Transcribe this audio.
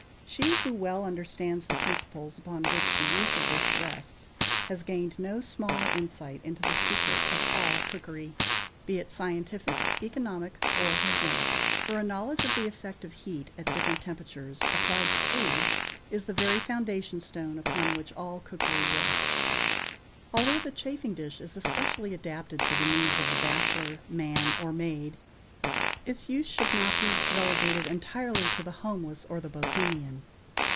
She who well understands the principles upon which the use of this rests has gained no small insight into the secret of all cookery, be it scientific, economic or hygienic; for a knowledge of the effect of heat at different temperatures, applied to food, is the very foundation stone upon which all cookery rests. Although the chafing dish is especially adapted to the needs of the bachelor, man or maid, its use should not be relegated entirely to the homeless or the Bohemian.